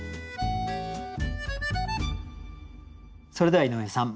それでは井上さん